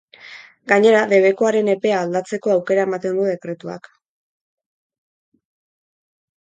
Gainera, debekuaren epea aldatzeko aukera ematen du dekretuak.